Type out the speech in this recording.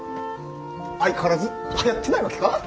相変わらずはやってないわけか？